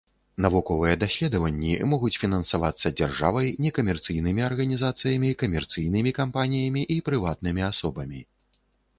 Навуковыя даследаванні могуць фінансавацца дзяржавай, некамерцыйнымі арганізацыямі, камерцыйнымі кампаніямі і прыватнымі асобамі.